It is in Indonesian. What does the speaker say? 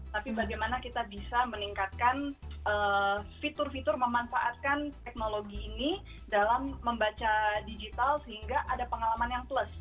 tapi bagaimana kita bisa meningkatkan fitur fitur memanfaatkan teknologi ini dalam membaca digital sehingga ada pengalaman yang plus